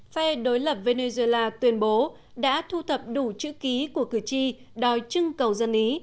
phe đối lập venezuela tuyên bố đã thu thập đủ chữ ký của cử tri đòi trưng cầu dân ý